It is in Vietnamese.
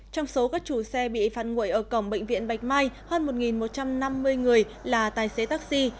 trong số các chủ xe bị phản nguội ở cổng bệnh viện bạch mai hơn một một trăm năm mươi người là tài xế taxi